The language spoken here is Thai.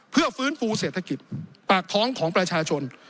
เพื่อฟื้นฟูเศรษฐกิจปากท้องของประชาชน